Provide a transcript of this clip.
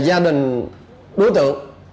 về gia đình đối tượng